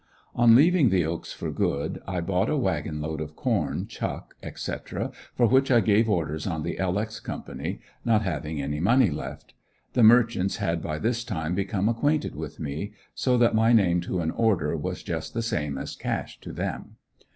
On leaving the "Oaks" for good, I bought a wagon load of corn, chuck, etc. for which I gave orders on the "L. X." company, not having any money left. The merchants had by this time, become acquainted with me, so that my name to an order was just the same as cash to them.